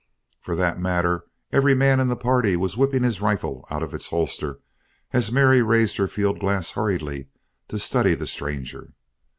For that matter, every man in the party was whipping his rifle out of its holster as Mary raised her field glass hurriedly to study the stranger.